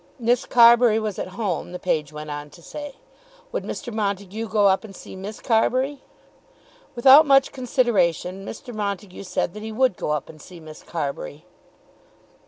Miss Carbury was at home, the page went on to say. Would Mr. Montague go up and see Miss Carbury? Without much consideration Mr. Montague said that he would go up and see Miss Carbury.